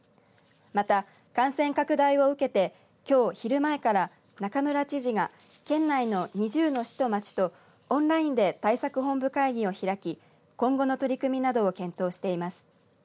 また、感染拡大を受けてきょう、昼前から中村知事が県内の２０の市と町とオンラインで対策本部会議を開き今後の取り組みなどを検討しています。